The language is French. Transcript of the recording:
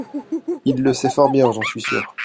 il le sait fort bien, j'en suis sure.